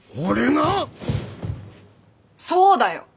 そうだよ！